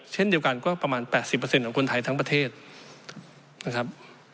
เช่นเดียวกันก็ประมาณ๘๐ของคนไทยทั้งประเทศนะครับ